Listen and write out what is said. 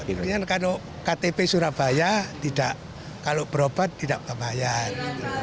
ini kan kalau ktp surabaya kalau berobat tidak membayar